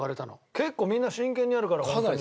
結構みんな真剣にやるからホントに。